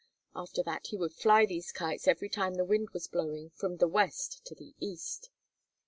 After that he would fly these kites every time the wind was blowing from the west to the east.